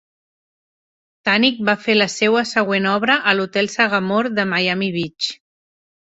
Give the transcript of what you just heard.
Tunick va fer la seua següent obra a l'hotel Sagamore de Miami Beach.